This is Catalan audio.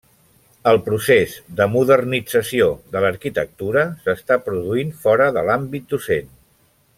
El procés de modernització de l'arquitectura s'està produint fora de l'àmbit docent.